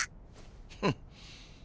フッ。